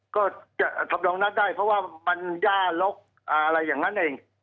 ก็จะทำลองนัดได้เพราะว่ามันย่าลกอะไรอย่างนั้นเอง